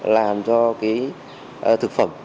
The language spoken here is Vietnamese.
làm cho cái thực phẩm